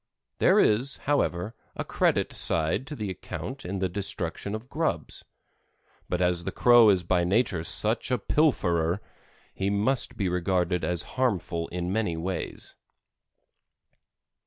There is, however, a credit side to the account in the destruction of grubs; but as the Crow is by nature such a pilferer, he must be regarded as harmful in many ways.